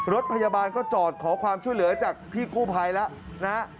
รถพยาบาลก็จอดขอความช่วยเหลือจากพี่กู้ภัยแล้วนะฮะ